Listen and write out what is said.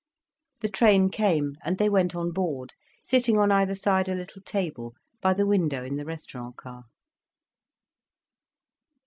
The train came, and they went on board, sitting on either side a little table, by the window, in the restaurant car.